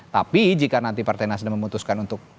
tapi jika nanti partai nasdem memutuskan untuk